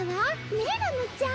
ねっラムちゃん。